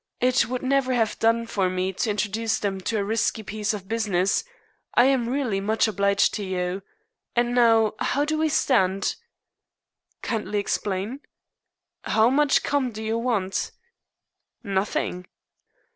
It would never have done for me to introduce them to a risky piece of business. I am really much obliged to you. And now, how do we stand?" "Kindly explain." "How much 'com' do you want?" "Nothing."